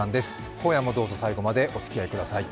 今夜もどうぞ最後までお付き合いください。